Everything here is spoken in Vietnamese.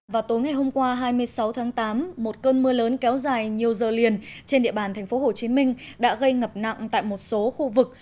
vào tối ngày hôm qua hai mươi sáu tháng tám một cơn mưa lớn kéo dài nhiều giờ liền trên địa bàn thành phố hồ chí minh đã gây ngập nặng tại một số khu vực